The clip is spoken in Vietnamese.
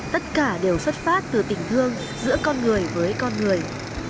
tất cả đều xuất phát từ tình thương giữa con người với con người